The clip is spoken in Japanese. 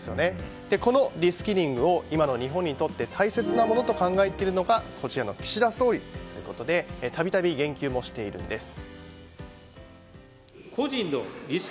このリスキリングを今の日本にとって大切なものと考えているのがこちらの岸田総理ということで度々言及もしているんです。